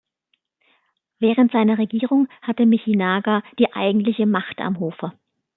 Während seiner Regierung hatte Michinaga die eigentliche Macht am Hofe.